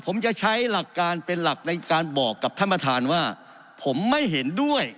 ผมจะใช้หลักการเป็นหลักในการบอกกับท่านประธานว่าผมไม่เห็นด้วย